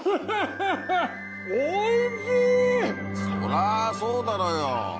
そらそうだろうよ。